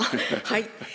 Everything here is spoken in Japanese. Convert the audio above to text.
はい。